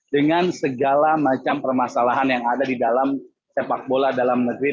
dengan segala macam permasalahan yang ada di dalam sepak bola dalam negeri